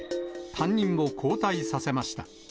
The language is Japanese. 担任を交代させました。